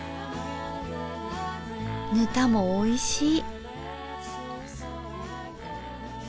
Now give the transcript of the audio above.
ぬたもおいしい。